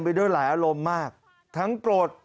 เมื่อกี้มันร้องพักเดียวเลย